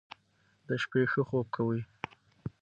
د شپې ښه خوب کوئ.